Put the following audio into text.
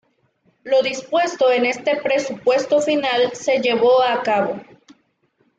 Lo dispuesto en este presupuesto final se llevó a cabo.